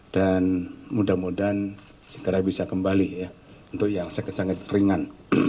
dan mudah mudahan segera bisa kembali ya untuk yang sakit sangat ringan